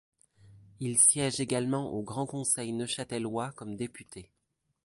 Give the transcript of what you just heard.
Il siège également au Grand Conseil neuchâtelois comme député.